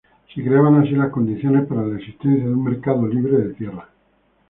Se creaban así las condiciones para la existencia de un mercado libre de tierras.